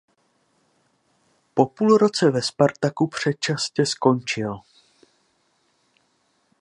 Po půl roce ve Spartaku předčasně skončil.